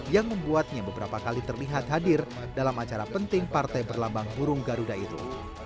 yang membuatnya beberapa kali terlihat hadir dalam acara penting partai berlambang burung garuda itu